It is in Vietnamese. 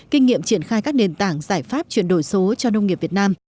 kinh nghiệm triển khai các nền tảng giải pháp chuyển đổi số cho nông nghiệp việt nam